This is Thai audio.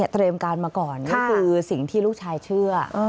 เตรียมการมาก่อนนี่คือสิ่งที่ลูกชายเชื่อ